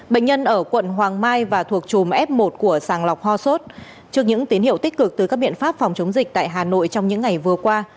bệnh nhân ở quận hoàng mai và thuộc chùm f một của sàng lọc ho sốt trước những tín hiệu tích cực từ các biện pháp phòng chống dịch tại hà nội trong những ngày vừa qua